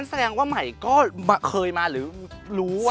แสดงว่าใหม่ก็เคยมาหรือรู้ว่า